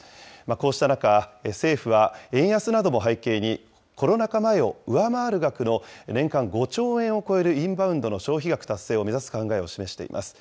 こうした中、政府は円安なども背景に、コロナ禍前を上回る額の年間５兆円を超えるインバウンドの消費額達成を目指す考えを示しています。